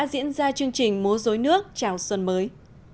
diễn ra chương trình múa dối nước chào xuân mới